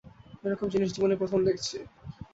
এরকম জিনিস জীবনে প্রথম দেখছি।